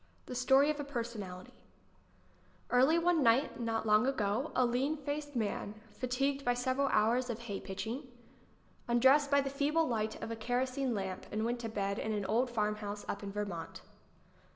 The Story of a Personality arly one night not long ago, a lean faced man, fatigued by several hours of hay pitching, undressed by the feeble light of a kerosene lamp and went to bed in an old farmhouse up in Vermont.